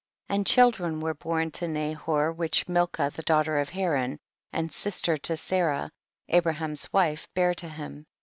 16. And children were born to Nahor which Milca the daughter of Haran, and sister to Sarah, Abra ham's wife, bare to him.